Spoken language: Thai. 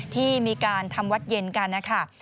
ที่มีการทำวัดเย็นกันนะคะ